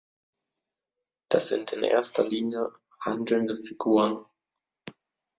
Das sind in erster Linie handelnde Figuren.